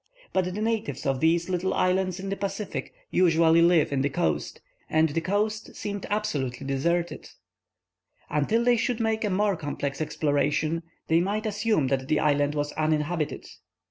But the natives of these little islands in the Pacific usually live on the coast, and the coast seemed absolutely desert. Until they should make a more complete exploration, they might assume that the island was uninhabited.